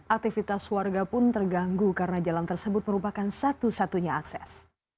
aktivitas warga pun terganggu karena jalan tersebut merupakan satu satunya akses